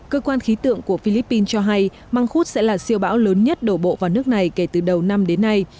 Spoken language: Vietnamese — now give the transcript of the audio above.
cơ quan khí tượng của philippines cho hay măng khuốt sẽ là siêu bão lớn nhất đổ bộ vào nước này kể từ đầu năm đến nay